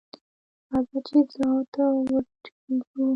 راځه چې زه او ته وټکېږو.